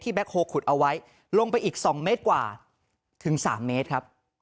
ที่แบคโคลกดเอาไว้ลงไปอีก๒เมตรกว่าถึง๓เมตร